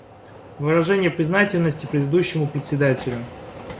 Выражение признательности предыдущему Председателю.